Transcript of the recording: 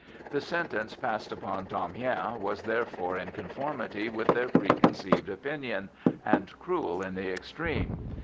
The sentence passed upon Damiens was therefore in conformity with their preconceived opinion, and cruel in the extreme.